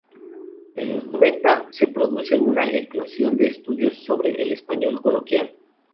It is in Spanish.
En los noventa se produce una eclosión de estudios sobre el español coloquial.